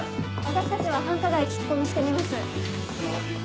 私たちは繁華街聞き込みしてみます。